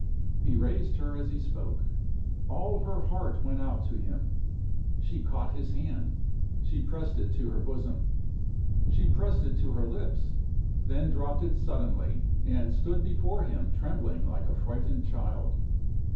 He raised her as he spoke. All her heart went out to him. She caught his hand she pressed it to her bosom; she pressed it to her lips then dropped it suddenly, and stood before him trembling like a frightened child.